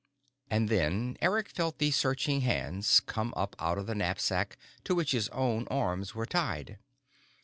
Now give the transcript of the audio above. And then Eric felt the searching hands come up out of the knapsack to which his own arms were tied.